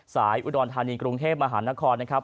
อุดรธานีกรุงเทพมหานครนะครับ